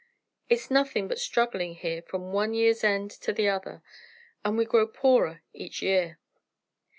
It's nothin' but struggling here from one year's end to the other, and we grow poorer each year."